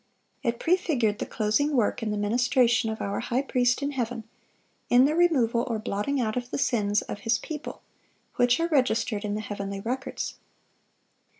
It prefigured the closing work in the ministration of our High Priest in heaven, in the removal or blotting out of the sins of His people, which are registered in the heavenly records.